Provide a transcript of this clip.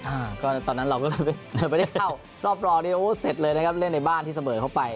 อ่าก็ตอนนั้นเราก็ไม่ได้เข้ารอบรองนี้โอ้เสร็จเลยนะครับเล่นในบ้านที่เสมอเข้าไป